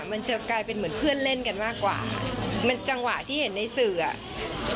มันจะกลายเป็นเหมือนเพื่อนเล่นกันมากกว่ามันจังหวะที่เห็นในสื่ออ่ะ